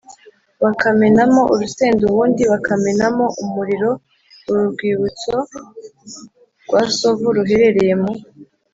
bakamenamo urusenda ubundi bakabamenamo umuriro Uru rwibutso rwa Sovu ruherereye mu